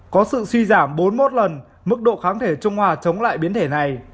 có sự suy giảm bốn mươi một lần mức độ kháng thể trung hòa chống lại biến thể này